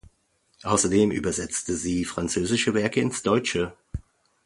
Außerdem übersetzte sie französische Werke ins Deutsche.